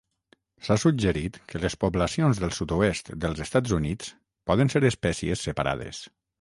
S'ha suggerit que les poblacions del sud-oest dels Estats Units poden ser espècies separades.